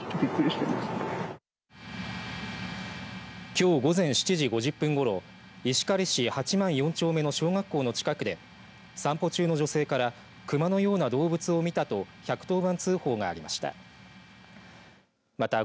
きょう午前７時５０分ごろ石狩市八幡４丁目の小学校の近くで散歩中の女性からクマのような動物を見たと１１０番通報がありました。